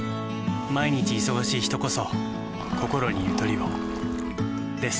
毎日忙しい人こそこころにゆとりをです。